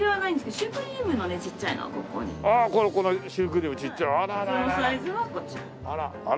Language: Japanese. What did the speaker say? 普通のサイズはこちら。